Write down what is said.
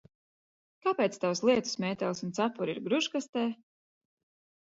Kāpēc tavs lietusmētelis un cepure ir gružkastē?